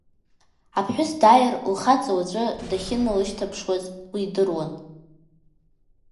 Аԥҳәыс дааир лхаҵа уаҵәы дахьыналышьҭшаз лирдыруан.